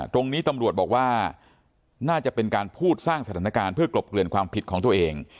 ตรงนี้ตำรวจบอกว่าน่าจะเป็นการพูดสร้างสถานการณ์เพื่อกลบเกลื่อนความผิดของตัวเอง